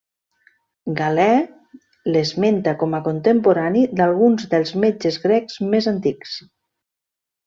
Galè l'esmenta com a contemporani d'alguns dels metges grecs més antics.